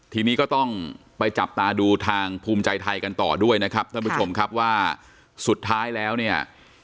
ทีนี้ก็ต้องไปจับตาดูทางภูมิใจไทยกันต่อด้วยนะครับท่านผู้ชมครับว่าสุดท้ายแล้วเนี่ย